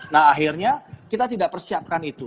nah akhirnya kita tidak persiapkan itu